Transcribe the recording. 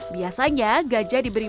gajah diberi paken agar tetap menenang